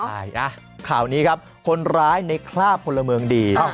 ใช่ข่าวนี้ครับคนร้ายในคราบพลเมืองดี